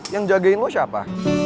yang jagain lo siapa